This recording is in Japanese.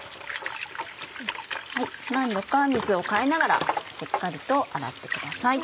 何度か水を替えながらしっかりと洗ってください。